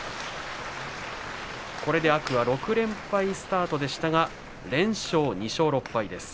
これで天空海６連敗スタートでしたが連勝２勝６敗です。